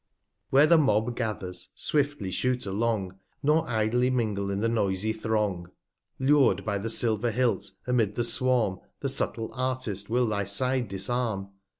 50 Where the Mob gathers, swiftly shoot along, Nor idly mingle in the noisy Throng. Lur'd by the Silver Hilt, amid the Swarm, The subtil Artist will thy Side disarm.